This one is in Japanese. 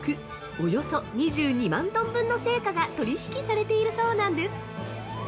およそ２２万トン分の青果が取引されているそうなんです。